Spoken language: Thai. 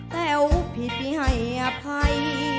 แต๋วพี่ให้อภัย